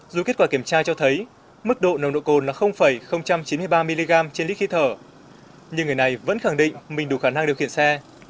dù kết quả kiểm tra cho thấy mức độ nồng độ cồn là chín mươi ba mg trên lít khi thở nhưng người này vẫn khẳng định mình đủ khả năng điều khiển xe